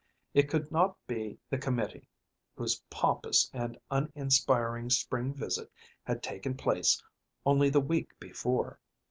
It could not be the committee, whose pompous and uninspiring spring visit had taken place only the week before.